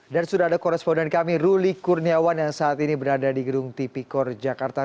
dan sudah ada koresponden kami ruli kurniawan yang saat ini berada di gerung tipikor jakarta